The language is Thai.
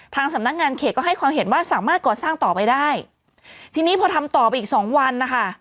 สำนักงานเขตก็ให้ความเห็นว่าสามารถก่อสร้างต่อไปได้ทีนี้พอทำต่อไปอีกสองวันนะคะ